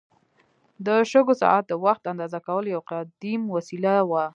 د شګو ساعت د وخت اندازه کولو یو قدیم وسیله وه.